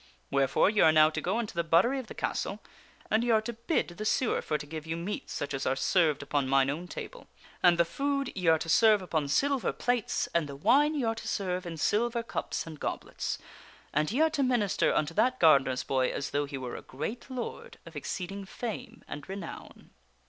Wherefore ye are now to go unto the buttery of the castle, and ye are to bid the sewer for to give you meats such as are served upon mine own table. And the food ye are to serve upon silver plates, and the wine ye are to serve in silver cups and goblets. And ye are to minister unto that gardener's boy as though he were a great lord of exceeding fame and renown."